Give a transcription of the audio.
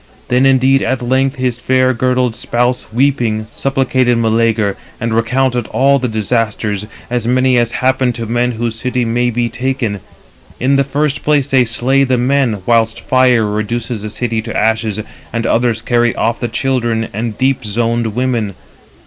Then indeed at length his fair girdled spouse, weeping, supplicated Meleager, and recounted all the disasters, as many as happen to men whose city may be taken. In the first place, they slay the men, 327 whilst fire reduces the city to ashes; and others carry off the children and deep zoned women.